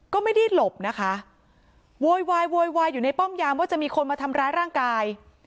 ก็ไม่ได้หลบนะคะโวยวายโวยวายอยู่ในป้อมยามว่าจะมีคนมาทำร้ายร่างกาย